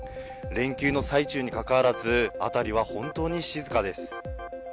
連休の最中にかかわらず、辺りは本当に静かです。